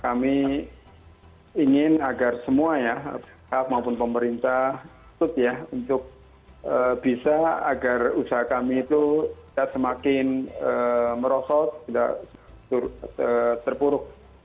kami ingin agar semua ya hak maupun pemerintah tutup ya untuk bisa agar usaha kami itu tidak semakin merosot tidak terpuruk